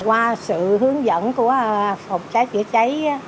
qua sự hướng dẫn của phòng cháy chữa cháy